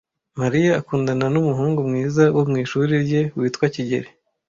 Mariya akundana numuhungu mwiza wo mwishuri rye witwa kigeli.